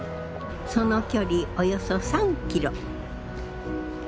その距離およそ３キロ。